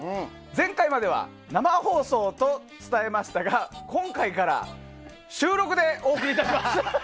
前回までは生放送と伝えましたが今回から収録でお送り致します。